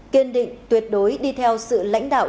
kiên định tuyệt đối đi theo sự lãnh đạo